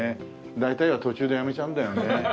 大体は途中でやめちゃうんだよね。